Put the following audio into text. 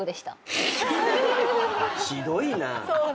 ひどいな。